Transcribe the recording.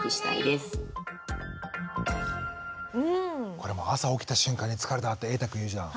これ朝起きた瞬間に「疲れた」ってえいたくん言うじゃん？